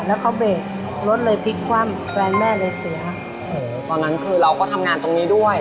แล้วเขาเบรกรถเลยพลิกคว่ำแฟนแม่เลยเสียตอนนั้นคือเราก็ทำงานตรงนี้ด้วย